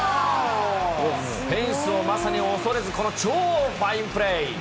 フェンスをまさに恐れず、この超ファインプレー。